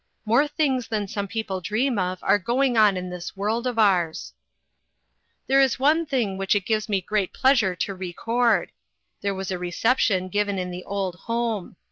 More things than some people dream of are going on in this world of ours. There is one thing which it gives me great pleasure to record. There was a 44 O INTERRUPTED. given in the old home.